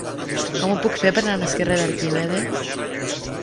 Com ho puc fer per anar al carrer d'Arquímedes?